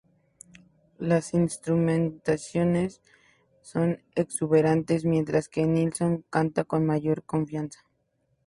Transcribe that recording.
Las instrumentaciones son exuberantes mientras que Nilsson canta con mayor confianza.